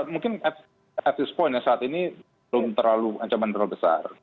mungkin at this point saat ini belum terlalu ancaman terlalu besar